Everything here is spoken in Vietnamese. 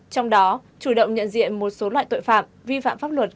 trong đó chủ động nhận diện một số loại tội phạm vi phạm pháp luật